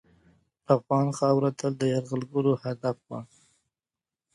افغان خاوره تل د یرغلګرو هدف وه.